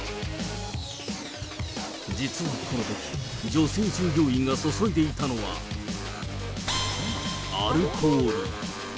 実はこのとき、女性従業員が注いでいたのは、アルコール。